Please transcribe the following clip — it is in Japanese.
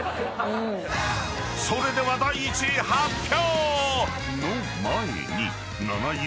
［それでは第１位発表！］